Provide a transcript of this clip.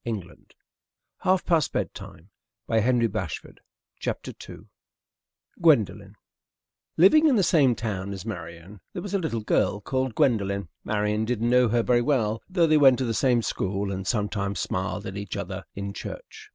GWENDOLEN [Illustration: Monkey Island] II GWENDOLEN Living in the same town as Marian there was a little girl called Gwendolen. Marian didn't know her very well, though they went to the same school and sometimes smiled at each other in church.